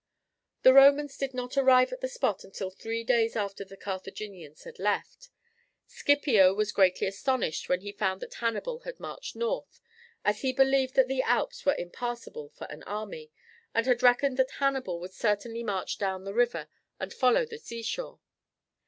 The Romans did not arrive at the spot until three days after the Carthaginians had left. Scipio was greatly astonished when he found that Hannibal had marched north, as he believed that the Alps were impassable for an army, and had reckoned that Hannibal would certainly march down the river and follow the seashore.